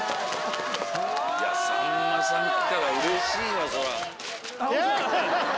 さんまさん来たらうれしいわそりゃ。